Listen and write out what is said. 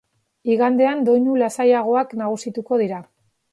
Igandean, doinu lasaiagoak nagusituko dira.